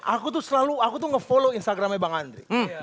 aku tuh selalu nge follow instagramnya bang andri